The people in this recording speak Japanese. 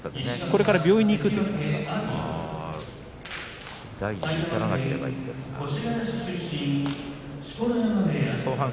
これから病院に行くと大事に至らなければいいんですが。